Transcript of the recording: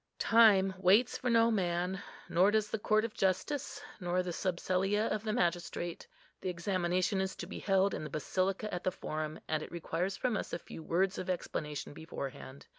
Time waits for no man, nor does the court of justice, nor the subsellia of the magistrate. The examination is to be held in the Basilica at the Forum, and it requires from us a few words of explanation beforehand.